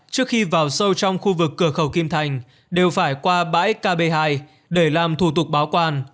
trước khi vào sâu trong khu vực cửa khẩu kim thành đều phải qua bãi kb hai để làm thủ tục báo quan